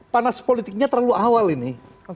panas politiknya terlalu awal ini